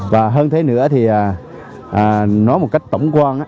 và hơn thế nữa nói một cách tổng quan